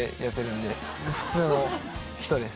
普通の人です。